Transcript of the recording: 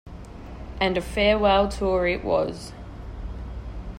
And a farewell tour it was.